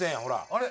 あれ？